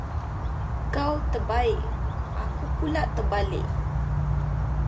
Kau terbaik! aku pulak terbalik.